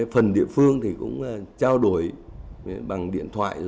phần địa phương cũng trao đổi bằng điện thoại